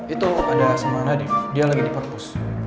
itu ada sama nadif dia lagi di purpose